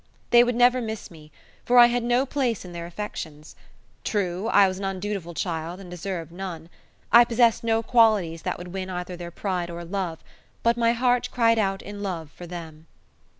They would never miss me, for I had no place in their affections. True, I was an undutiful child, and deserved none. I possessed no qualities that would win either their pride or love, but my heart cried out in love for them.